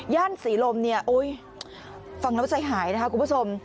ศรีลมเนี่ยฟังแล้วใจหายนะคะคุณผู้ชม